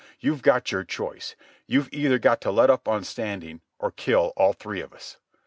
You've got your choice. You've either got to let up on Standing or kill all three of us.